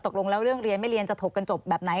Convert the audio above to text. ตกลงแล้วเรื่องเรียนไม่เรียนจะถกกันจบแบบไหน